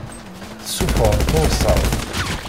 Tessuffɣeḍ tursaḍ.